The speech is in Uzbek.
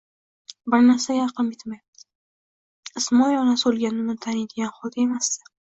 Bir narsaga aqlim yetmayapti. Ismoil onasi o'lganda uni taniydigan holda emasdi.